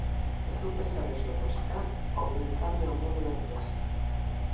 Estou pensando se opositar ou dedicarme ao mundo da empresa.